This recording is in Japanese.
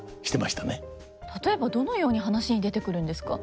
例えばどのように話に出てくるんですか。